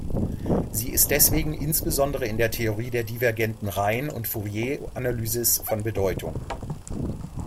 Sie ist deswegen insbesondere in der Theorie der divergenten Reihen und Fourier-Analysis von Bedeutung.